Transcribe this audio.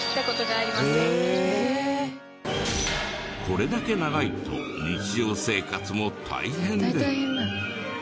これだけ長いと日常生活も大変で。